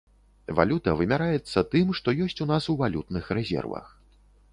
Валюта вымяраецца тым, што ёсць у нас у валютных рэзервах.